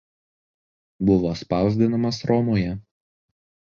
Buvo spausdinamas Romoje.